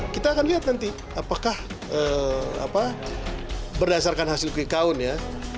kita akan lihat nanti apakah berdasarkan hasil quick count ya